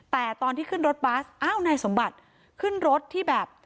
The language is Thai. แต่ตอนที่ขึ้นรถบัสอ้าวนายสมบัติขึ้นรถที่แบบ